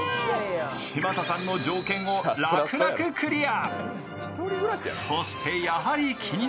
嶋佐さんの条件を楽々クリア。